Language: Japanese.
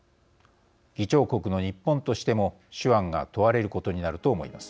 議長国の日本としても手腕が問われることになると思います。